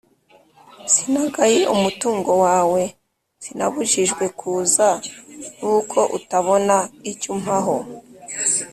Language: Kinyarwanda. sinagaye umutungo wawe: sinabujijwe kuza n’uko utabona icyo umpaho